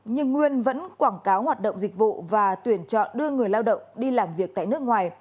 nhưng nguyên vẫn quảng cáo hoạt động dịch vụ và tuyển chọn đưa người lao động đi làm việc tại nước ngoài